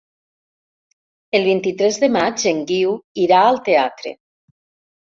El vint-i-tres de maig en Guiu irà al teatre.